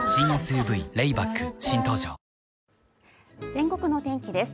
全国の天気です。